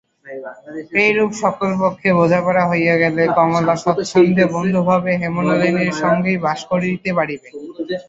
এইরূপ সকল পক্ষে বোঝাপড়া হইয়া গেলে কমলা স্বচ্ছন্দে বন্ধুভাবে হেমনলিনীর সঙ্গেই বাস করিতে পারিবে।